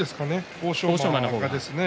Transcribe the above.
欧勝馬の方がですね。